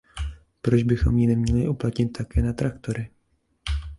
Proč bychom ji neměli uplatnit také na traktory?